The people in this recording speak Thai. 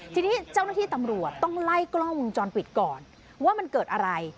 ทีนี้เจ้าหน้าที่ตำรวจต้องไล่กล้องวงจรปิดก่อนว่ามันเกิดอะไร